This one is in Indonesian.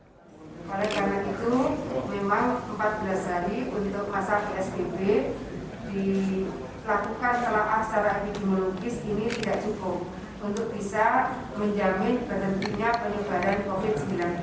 oleh karena itu memang empat belas hari untuk masa psbb dilakukan selama secara epidemiologis ini tidak cukup untuk bisa menjamin berhentinya penyebaran covid sembilan belas